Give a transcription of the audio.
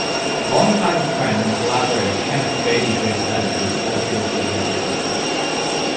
Long-time friend and collaborator Kenneth 'Babyface' Edmonds also received recognition.